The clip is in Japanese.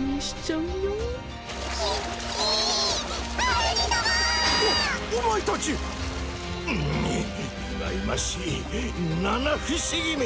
うんいまいましい七不思議め！